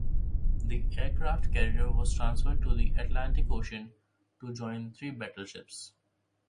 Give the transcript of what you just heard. The aircraft carrier was transferred to the Atlantic Ocean, to join three battleships.